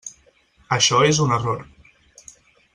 Això és un error.